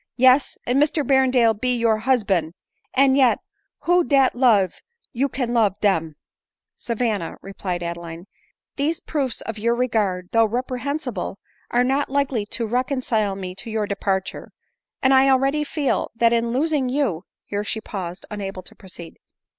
" Yes, and Mr Berrendale be your husban ; and yet, who dat love you can love dem ?"" Savanna," replied Adeline, " these proofs of your regard, though reprehensible, are not likely to reconcile me to your departure ; and f already feel that in losing you " here she paused, unable to proceed.